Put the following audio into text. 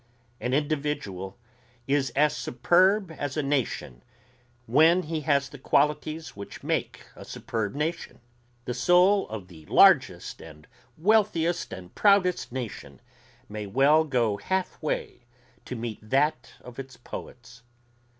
An individual is as superb as a nation when he has the qualities which make a superb nation. The soul of the largest and wealthiest and proudest nation may well go half way to meet that of its poets.